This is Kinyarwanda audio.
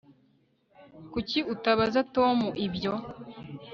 Kuki utabaza Tom ibyo